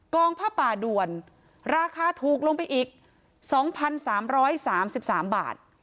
ผ้าป่าด่วนราคาถูกลงไปอีก๒๓๓บาท